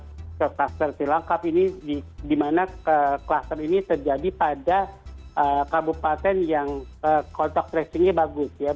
kluster kluster dilengkap di mana kluster ini terjadi pada kabupaten yang kotak tracingnya bagus